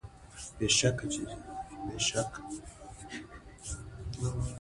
زه هر سهار خپلې دندې ته ځم